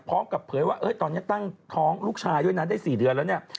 เผยว่าตอนนี้ตั้งท้องลูกชายด้วยนะได้๔เดือนแล้วเนี่ย